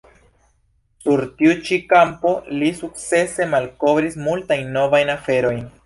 Sur tiu ĉi kampo li sukcese malkovris multajn novajn aferojn.